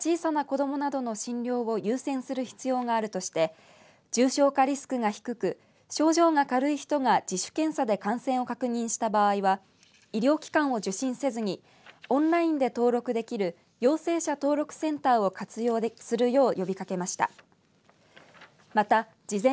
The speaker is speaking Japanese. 野志市長は高齢者や小さな子どもなどの診療を優先する必要があるとして重症化リスクが低く症状が軽い人が自主検査で感染を確認した場合は医療機関を受診せずにオンラインで登録できる陽性者登録センターを活用するよう呼びかけました。